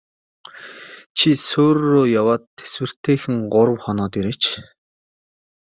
Чи суурь руу яваад тэсвэртэйхэн гурав хоноод ирээч.